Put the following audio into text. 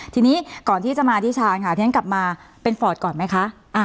ทีนี้ก่อนที่จะมาที่ชาญค่ะที่ฉันกลับมาเป็นฟอร์ตก่อนไหมคะ